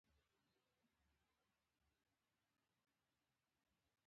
پیاز د جواني دانو ضد دی